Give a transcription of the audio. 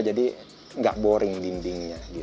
jadi tidak boring dindingnya